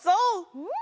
うん！